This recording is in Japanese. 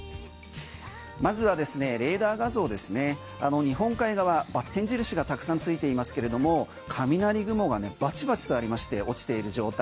まずはですねレーダー画像ですね日本海側、バッテン印がたくさんついていますけれども雷雲がバチバチとありまして落ちている状態。